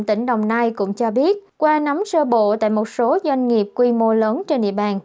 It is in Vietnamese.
tỉnh đồng nai cũng cho biết qua nắm sơ bộ tại một số doanh nghiệp quy mô lớn trên địa bàn